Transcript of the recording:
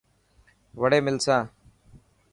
وڙي ملسان.